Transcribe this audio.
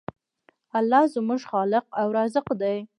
الله زموږ خالق او رازق دی.